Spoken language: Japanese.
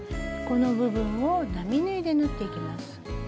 この部分を並縫いで縫っていきます。